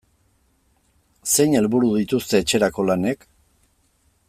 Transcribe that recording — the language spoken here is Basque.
Zein helburu dituzte etxerako lanek?